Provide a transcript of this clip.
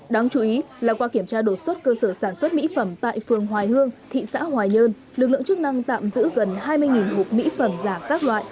đáng chú ý là qua kiểm tra đột xuất cơ sở sản xuất mỹ phẩm tại phường hoài hương thị xã hoài nhơn lực lượng chức năng tạm giữ gần hai mươi hộp mỹ phẩm giả các loại